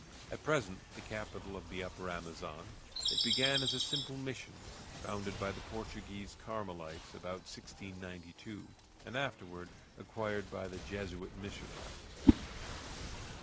At present the capital of the Upper Amazon, it began as a simple Mission, founded by the Portuguese Carmelites about 1692, and afterward acquired by the Jesuit missionaries.